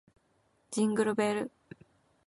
ジングルベル